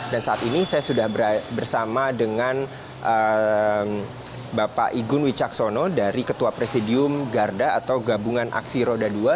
dan saat ini saya sudah bersama dengan bapak igun wicaksono dari ketua presidium garda atau gabungan aksi roda dua